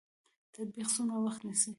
تطبیق څومره وخت نیسي؟